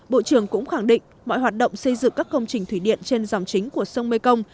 bộ trưởng cũng khẳng định mọi hoạt động xây dựng các công trình thủy điện trên dòng chính của sông mekong